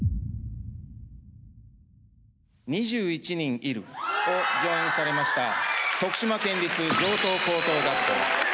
「２１人いる！」を上演されました徳島県立城東高等学校。